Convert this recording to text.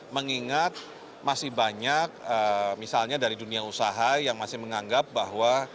mengingat masih banyak misalnya dari dunia usaha yang masih menganggap bahwa